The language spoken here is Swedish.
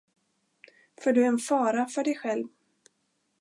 För du är en fara för dig själv.